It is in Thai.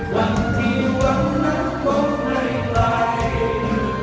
วันที่หวังมันคงไม่ไกล